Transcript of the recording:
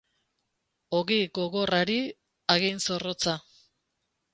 Ogi gogorrari, hagin zorrotza.